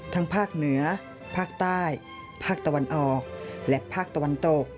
ภาคเหนือภาคใต้ภาคตะวันออกและภาคตะวันตก